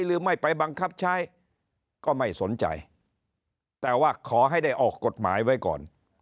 หรือไม่ไปบังคับใช้ก็ไม่สนใจแต่ว่าขอให้ได้ออกกฎหมายไว้ก่อน